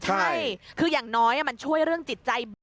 ใช่คืออย่างน้อยมันช่วยเรื่องจิตใจบุ๋